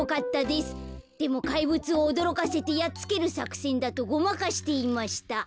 でもかいぶつをおどろかせてやっつけるさくせんだとごまかしていました」。